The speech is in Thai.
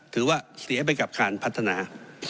ถือว่าเสียไปกับการพัฒนา